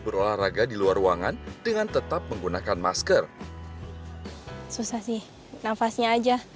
berolahraga di luar ruangan dengan tetap menggunakan masker susah sih nafasnya aja